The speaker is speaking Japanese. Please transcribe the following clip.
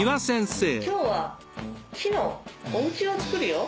今日は木のおうちを作るよ。